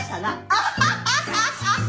アハハハ。